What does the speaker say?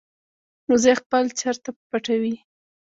وزې خپل چرته پټوي